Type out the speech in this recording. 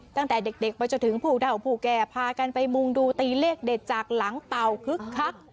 ตั้งแต่เด็กไปจนถึงผู้เท่าผู้แก่พากันไปมุงดูตีเลขเด็ดจากหลังเต่าคึกคัก